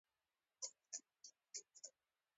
تکراري ميتود: